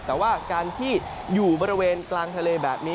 แต่ว่าการที่อยู่บริเวณกลางทะเลแบบนี้